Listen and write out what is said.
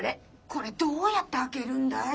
これどうやって開けるんだい？